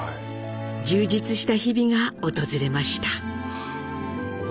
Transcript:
充実した日々が訪れました。